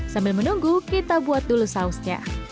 sambil menunggu kita buat dulu sausnya